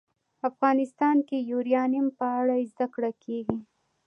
افغانستان کې د یورانیم په اړه زده کړه کېږي.